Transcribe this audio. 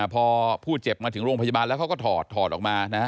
พอผู้เจ็บมาถึงโรงพยาบาลแล้วเขาก็ถอดถอดออกมา